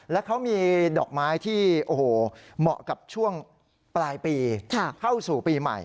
แล้วเขามีดอกไม้เผาเผาเฉิงปลายปีค่ะเข้าสู่ปีใหม่